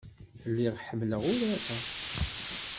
Lliɣ ḥemmleɣ urar-a.